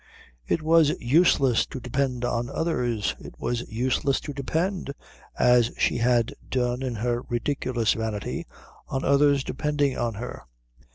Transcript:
It was useless to depend on others; it was useless to depend, as she had done in her ridiculous vanity, on others depending on her.